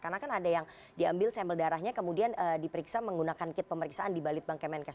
karena kan ada yang diambil sampel darahnya kemudian diperiksa menggunakan kit pemeriksaan di balitbangkemenkes